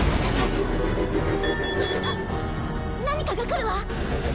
何かが来るわ！